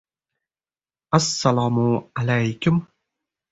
Assalomu alaykum!»